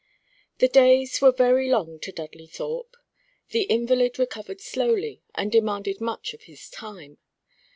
V The days were very long to Dudley Thorpe. The invalid recovered slowly, and demanded much of his time.